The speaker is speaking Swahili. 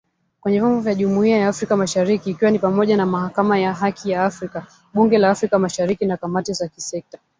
Kwenye vyombo vya Jumuiya ya Afrika Mashariki ikiwa ni pamoja na Mahakama ya Haki ya Afrika, Bunge la Afrika Mashariki na kamati za kisekta.